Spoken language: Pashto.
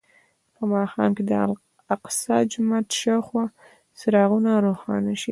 په ماښام کې د الاقصی جومات شاوخوا څراغونه روښانه شي.